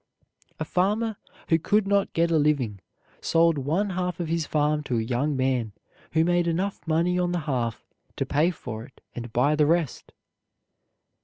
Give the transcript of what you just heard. A farmer who could not get a living sold one half of his farm to a young man who made enough money on the half to pay for it and buy the rest.